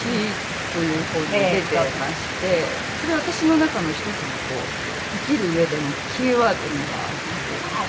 それ私の中の一つの生きる上でのキーワードにはなっています。